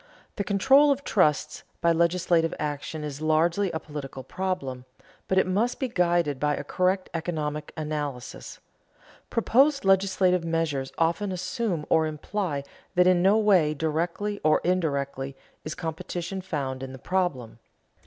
The control of trusts by legislative action is largely a political problem, but it must be guided by a correct economic analysis. Proposed legislative measures often assume or imply that in no way, directly or indirectly, is competition found in the problem.